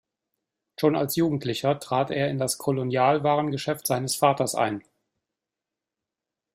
Schon als Jugendlicher trat er in das Kolonialwarengeschäft seines Vaters ein.